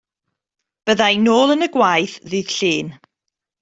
Bydda i nôl yn y gwaith ddydd Llun.